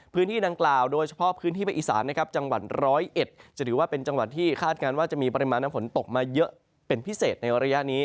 พื้นที่ดังกล่าวโดยเฉพาะพื้นที่ภาคอีสานนะครับจังหวัดร้อยเอ็ดจะถือว่าเป็นจังหวัดที่คาดการณ์ว่าจะมีปริมาณน้ำฝนตกมาเยอะเป็นพิเศษในระยะนี้